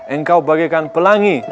engkau bagaikan pelangi